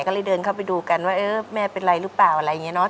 ก็เลยเดินเข้าไปดูกันว่าเออแม่เป็นไรหรือเปล่าอะไรอย่างนี้เนาะ